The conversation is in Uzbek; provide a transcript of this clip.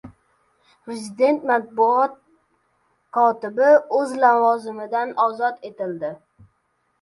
Prezident matbuot kotibi o‘z lavozimidan ozod etildi